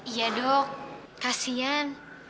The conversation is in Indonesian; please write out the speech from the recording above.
iya dok kasian